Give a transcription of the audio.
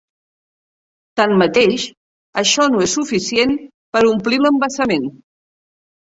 Tanmateix, això no és suficient per omplir l'embassament.